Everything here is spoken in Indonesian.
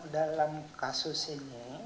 dalam kasus ini